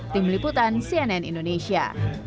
tim liputan cnn indonesia